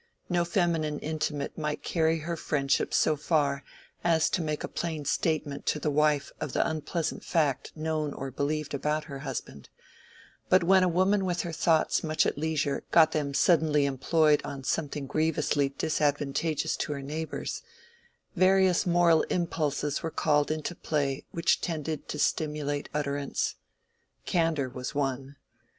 No feminine intimate might carry her friendship so far as to make a plain statement to the wife of the unpleasant fact known or believed about her husband; but when a woman with her thoughts much at leisure got them suddenly employed on something grievously disadvantageous to her neighbors, various moral impulses were called into play which tended to stimulate utterance. Candor was one.